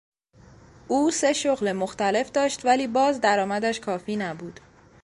او سه شغل مختلف داشت ولی باز درآمدش کافی نبود.